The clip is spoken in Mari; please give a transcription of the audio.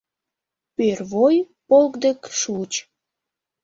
Пӧрвой полк дек шуыч.